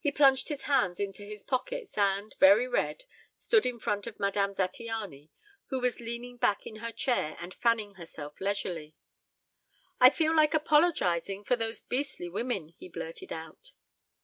He plunged his hands into his pockets, and, very red, stood in front of Madame Zattiany, who was leaning back in her chair and fanning herself leisurely. "I feel like apologizing for those beastly women," he blurted out.